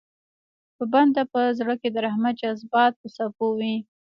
د بنده په زړه کې د رحمت جذبات په څپو وي.